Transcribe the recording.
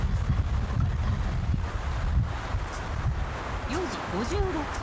ここからたらたらやります